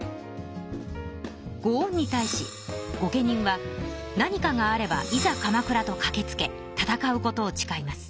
ご恩に対し御家人は何かがあれば「いざ鎌倉」とかけつけ戦うことをちかいます。